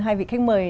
hai vị khách mời